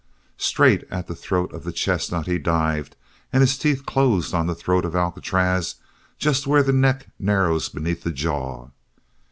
Straight at the throat of the chestnut he dived and his teeth closed on the throat of Alcatraz just where the neck narrows beneath the jaw.